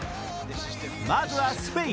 まずはスペイン。